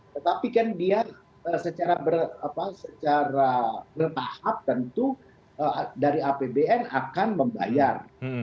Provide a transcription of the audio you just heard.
tetapi kan dia secara bertahap tentu dari apbn akan membayar